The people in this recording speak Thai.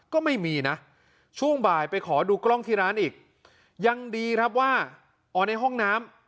ก็ไม่มีนะช่วงบ่ายไปขอดูกล้องที่ร้านอีกยังดีครับว่าอ๋อในห้องน้ำ